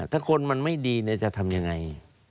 ถ้าคนมันไม่ดีจะทำยังไง